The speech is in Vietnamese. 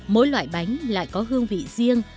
mỗi loại bánh lại có hương vị riêng